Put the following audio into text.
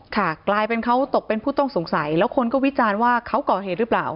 กลายเป็นเขาตกเป็นผู้ต้องสงสัยแล้วคนก็วิจารณ์ว่าเขาก่อเหตุหรือเปล่า